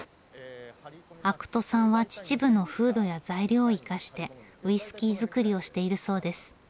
肥土さんは秩父の風土や材料を生かしてウイスキー造りをしているそうです。